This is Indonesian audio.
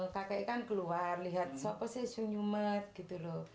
kakeknya kan keluar lihat sopo saya senyumet gitu loh